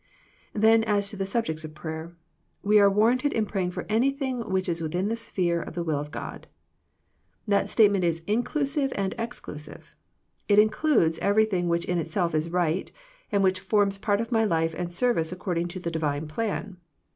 Then as to the subjects of prayer. We are warranted in praying for anything which is within the sphere of the will of God. That state ment is inclusive and exclusive. It includes everything which in itself is right, and which forms part of my life and service according to the Divine plan.